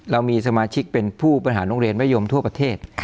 เรามีสมาชิกเป็นผู้บริหารโรงเรียนมะยมทั่วประเทศ